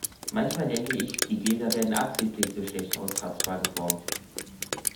Manchmal denke ich, die Gläser werden absichtlich so schlecht auskratzbar geformt.